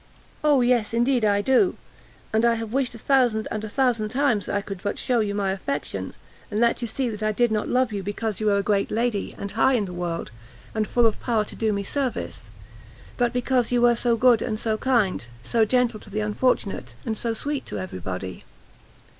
"O yes, indeed I do! and I have wished a thousand and a thousand times that I could but shew you my affection, and let you see that I did not love you because you were a great lady, and high in the world, and full of power to do me service, but because you were so good and so kind, so gentle to the unfortunate, and so sweet to every body!"